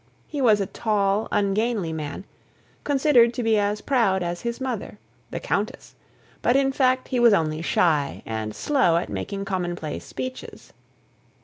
He was a tall ungainly man, considered to be as proud as his mother, the countess; but, in fact, he was only shy, and slow at making commonplace speeches.